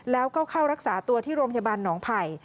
แล้วก็เข้ารักษาตัวที่โรงพยาบาลหนองไผ่